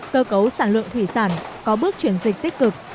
cơ cấu sản lượng thủy sản có bước chuyển dịch tích cực